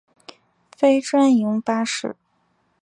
非专营巴士。